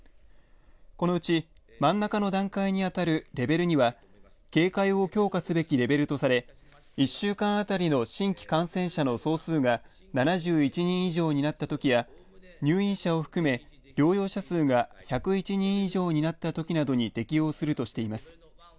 このうち、真ん中の段階にあたるレベル２は警戒を強化すべきレベルとされ１週間当たりの新規感染者の総数が７１人以上になったときや入院者を含め療養者数が１０１人以上になったときなどに適用するとしています。